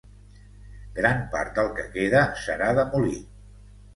Gran part del que queda serà demolit.